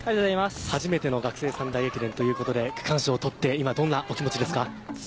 初めて学生三大駅伝ということで区間賞をとってどんなお気持ちですか。